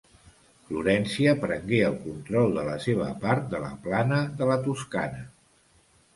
Florència prengué el control de la seva part de la plana de la Toscana.